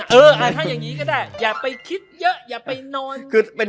เออถ้าอย่างนี้ก็ได้อย่าไปคิดเยอะอย่าไปนอน